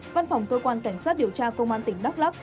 văn phòng cơ quan cảnh sát điều tra công an tỉnh đắk lắc